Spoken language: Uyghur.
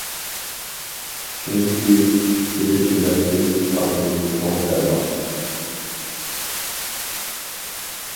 چۈنكى چېلىش بىلەن بىز، تاپىمىز چوڭ دەرمان.